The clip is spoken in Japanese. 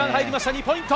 ２ポイント。